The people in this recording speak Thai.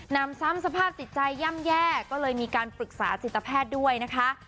นำซ้ำสภาพจิตใจย่ำแย่ก็เลยมีการปรึกษาจิตแพทย์ด้วยนะคะ